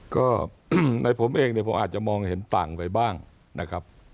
ก็ในผมเองเนี่ยผมอาจจะมองเห็นต่างไปบ้างนะครับ